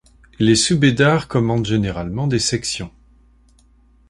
Les Subedar commandent généralement des sections.